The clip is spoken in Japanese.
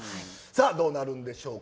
どうなるんでしょうか。